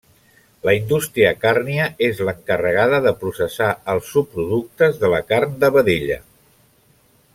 La indústria càrnia és l'encarregada de processar els subproductes de la carn de vedella.